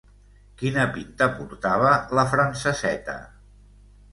Quina pinta portava, la franceseta!